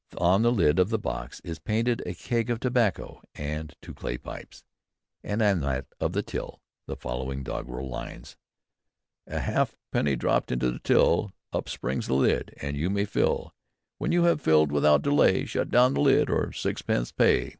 On the lid of the box is painted a keg of tobacco and two clay pipes; and on that of the till the following doggerel lines: _A halfpeny dropt into the till, Upsprings the lid and you may fill; When you have filled, without delay, Shut down the lid, or sixpence pay.